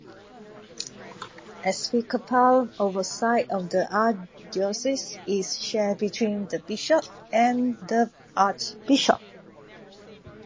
Episcopal oversight of the Archdiocese is shared between the Bishop and the Archbishop.